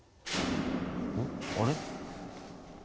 あれ？